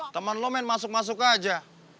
teman lo main masuk masuk aja